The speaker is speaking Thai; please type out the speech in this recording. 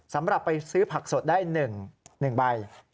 สำหรับไปซื้อผักสดได้๑ใบ